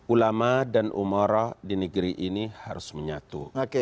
ulama dan umaroh di negeri ini harus menyatu